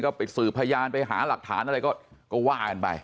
ก็ไปสืบพยานไปหาหลักฐานอะไรก็ว่ากันไป